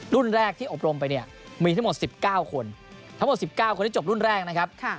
แรกที่อบรมไปเนี่ยมีทั้งหมด๑๙คนทั้งหมด๑๙คนที่จบรุ่นแรกนะครับ